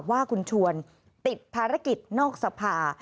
ว่าคุณชวนติดภารกิจนอกสภา